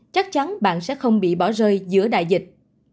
chắc chắn bạn sẽ không bị bỏ rơi giữa đại dịch